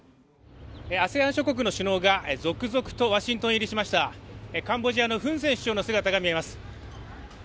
ＡＳＥＡＮ諸国の首脳が続々とワシントン入りしましたカンボジアのフンセン首相の姿が見えます